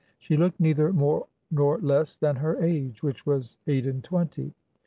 She looked neither more nor less than her age, which was eight and twenty.